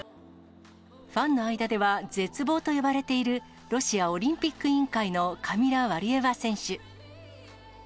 ファンの間では絶望と呼ばれている、ロシアオリンピック委員会のカミラ・ワリエワ選手。